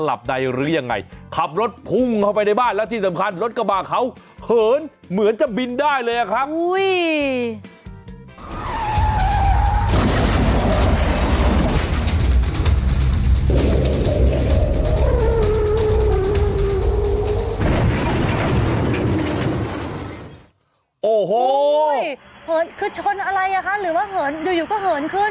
โอ้โหเหินคือชนอะไรอ่ะคะหรือว่าเหินอยู่อยู่ก็เหินขึ้น